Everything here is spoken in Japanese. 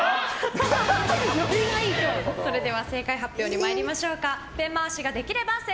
それでは正解発表に参りましょうか。